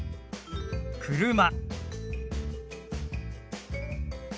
車。